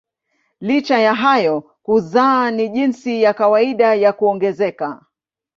Licha ya hayo kuzaa ni jinsi ya kawaida ya kuongezeka.